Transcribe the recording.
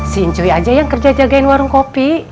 si incuy aja yang kerja jagain warung kopi